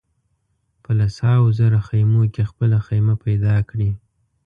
په لسهاوو زره خېمو کې خپله خېمه پیدا کړي.